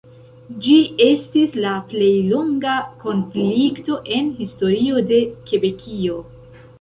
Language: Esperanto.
Ĝi estis la plej longa konflikto en historio de Kebekio.